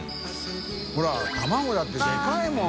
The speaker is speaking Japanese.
曚卵だってでかいもん。